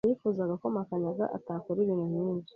Nifuzaga ko Makanyaga atakora ibintu nkibyo.